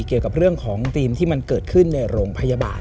เกี่ยวกับเรื่องของธีมที่มันเกิดขึ้นในโรงพยาบาล